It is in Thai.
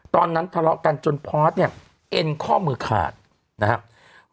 ตอนนั้นทะเลาะกันจนพอสเนี่ยเอ็นข้อมือขาดนะครับ